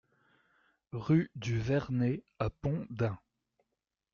Rue du Vernay à Pont-d'Ain